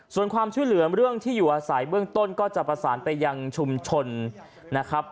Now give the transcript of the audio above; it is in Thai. ส่วนความช่วยเหลือเรื่องที่อยู่อาศัยเบื้องต้นก็จะประสานไปยังชุมชนนะครับ